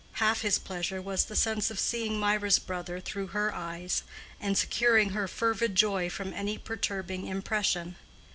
Half his pleasure was the sense of seeing Mirah's brother through her eyes, and securing her fervid joy from any perturbing impression.